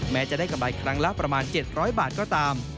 แม้จะได้กำไรครั้งละประมาณ๗๐๐บาทก็ตาม